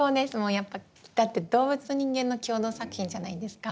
やっぱだって動物と人間の共同作品じゃないですか。